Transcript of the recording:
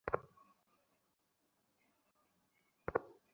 রাত দুইটার দিকে আক্তার দরজা ভেঙে তাঁর কক্ষে ঢোকার চেষ্টা করেন।